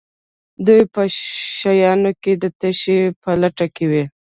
دوی په شیانو کې د تشې په لټه کې وي.